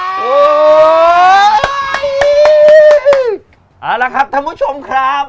เอาละครับท่านผู้ชมครับ